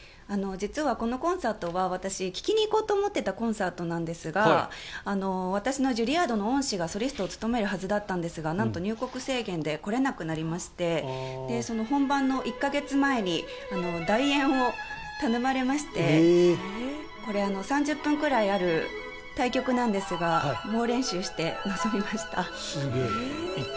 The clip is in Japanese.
実はこのコンサートは私、聞きに行こうと思っていたコンサートなんですが私のジュリアードの恩師がソリストを務めるはずだったんですがなんと入国制限で来れなくなりましてその本番の１か月前に代演を頼まれまして３０分くらいある大曲なんですが猛練習して臨みました。